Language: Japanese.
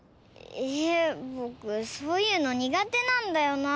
えっぼくそういうのにがてなんだよな。